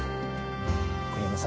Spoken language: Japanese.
栗山さん